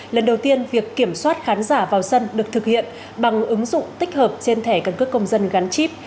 lần đầu tiên việc kiểm soát khán giả vào sân được thực hiện bằng ứng dụng tích hợp trên thẻ căn cước công dân gắn chip